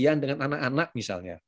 dan dengan anak anak misalnya